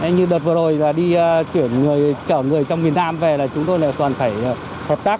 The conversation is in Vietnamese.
như đợt vừa rồi là đi chuyển người chở người trong miền nam về là chúng tôi toàn phải hợp tác